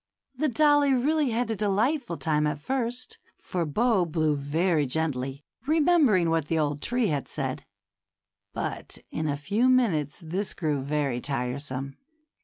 The dollie really had a delightful time at first, for Bo blew very gently, remembering what the old tree had said ; but in a few minutes this grew very tiresome.